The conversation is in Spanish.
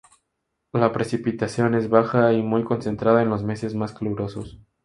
La precipitación es baja y muy concentrada en los meses más calurosos.